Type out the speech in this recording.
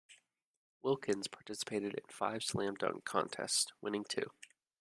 Wilkins participated in five slam dunk contests, winning two.